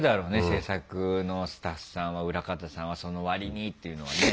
制作のスタッフさんは裏方さんは「その割に」っていうのはね。